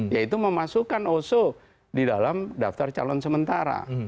yaitu memasukkan oso di dalam daftar calon sementara